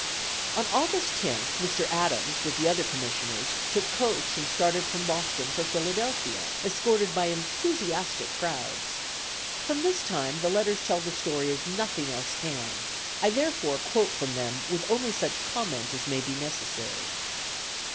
On August 10th, Mr. Adams, with the other commissioners, took coach and started from Boston for Philadelphia, escorted by enthusiastic crowds. From this time, the Letters tell the story as nothing else can. I therefore quote from them with only such comment as may be necessary.